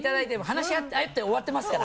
話し合って終わってますから。